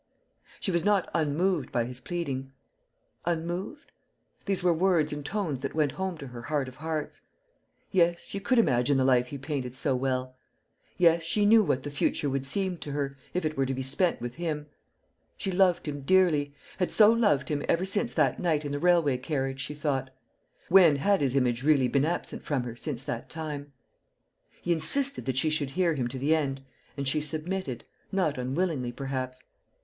She was not unmoved by his pleading. Unmoved? These were words and tones that went home to her heart of hearts. Yes, she could imagine the life he painted so well. Yes, she knew what the future would seem to her, if it were to be spent with him. She loved him dearly had so loved him ever since that night in the railway carriage, she thought. When had his image really been absent from her since that time? He insisted that she should hear him to the end, and she submitted, not unwillingly, perhaps.